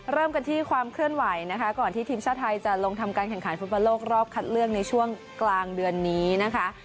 เริ่มกันที่ความเคลื่อนไหวนะคะก่อนที่ทีมชาติไทยจะลงทำการแข่งขันฟุตบอลโลกรอบคัดเลือกในช่วงกลางเดือนนี้นะคะ